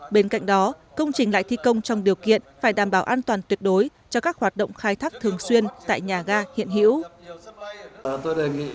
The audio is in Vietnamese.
bên cạnh đó công trình lại thi công trong điều kiện phải đảm bảo an toàn tuyệt đối cho các hoạt động khai thác thường xuyên tại nhà ga hiện hữu